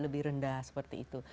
lebih rendah seperti itu